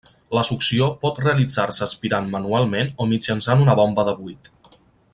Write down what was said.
La succió pot realitzar-se aspirant manualment o mitjançant una bomba de buit.